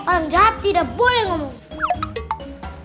orang jawab tidak boleh ngomong